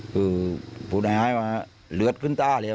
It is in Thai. คือผู้ตายหายว่าเหลือดขึ้นตาเลย